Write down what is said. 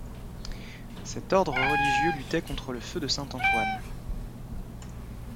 Cet ordre religieux luttait contre le feu de Saint-Antoine.